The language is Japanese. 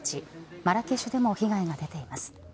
マラケシュでも被害が出ています。